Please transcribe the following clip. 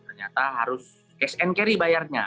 ternyata harus cash and carry bayarnya